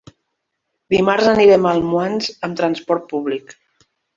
Dimarts anirem a Almoines amb transport públic.